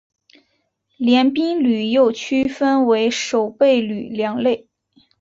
联兵旅又区分为守备旅两类。